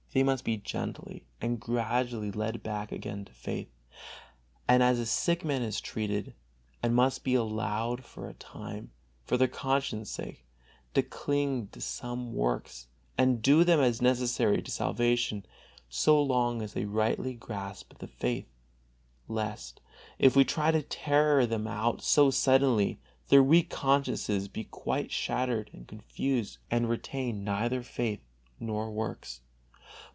They must be gently and gradually led back again to faith, as a sick man is treated, and must be allowed for a time, for their conscience sake, to cling to some works and do them as necessary to salvation, so long as they rightly grasp the faith; lest if we try to tear them out so suddenly, their weak consciences be quite shattered and confused, and retain neither faith nor works.